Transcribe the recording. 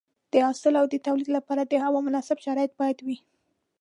د حاصل د تولید لپاره د هوا مناسب شرایط باید وي.